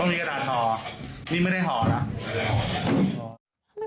มีกระดาษห่อนี่ไม่ได้ห่อนะ